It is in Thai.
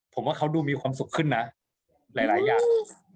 ผมว่าเขาดูมีความสุขขึ้นนะหลายอย่าง